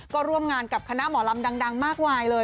ก็ร่วมงานกับคณะหมอลำดังมากมายเลย